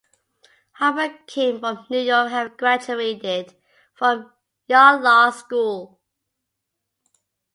Halbert came from New York, having graduated from Yale Law School.